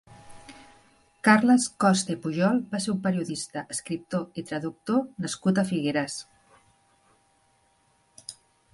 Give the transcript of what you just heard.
Carles Costa i Pujol va ser un periodista, escriptor i traductor nascut a Figueres.